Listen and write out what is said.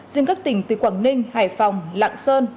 riêng các tỉnh từ quảng ninh hải phòng lạng sơn